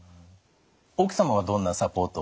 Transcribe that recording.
奥様はどんなサポートを？